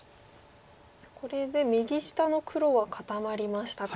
これで右下の黒は固まりましたか。